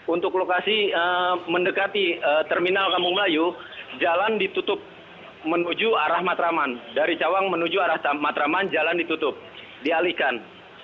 untuk lokasi mendekati terminal kampung melayu jalan ditutup menuju arah matraman dari cawang menuju arah matraman jalan ditutup dialihkan